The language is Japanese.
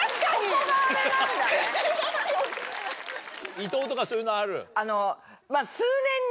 いとうとかそういうのある？